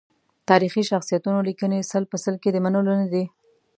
تاریخي شخصیتونو لیکنې سل په سل کې د منلو ندي.